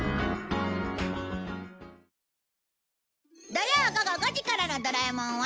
土曜午後５時からの『ドラえもん』は